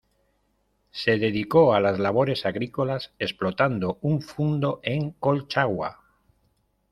Se dedicó a las labores agrícolas explotando un fundo en Colchagua.